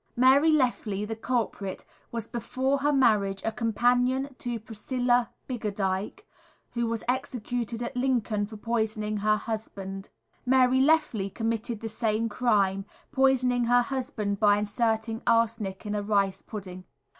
Mary Lefley, the culprit, was before her marriage a companion of Priscilla Biggadike, who was executed at Lincoln for poisoning her husband. Mary Lefley committed the same crime, poisoning her husband by inserting arsenic in a rice pudding.